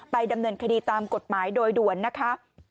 ดำเนินคดีตามกฎหมายโดยด่วนนะคะ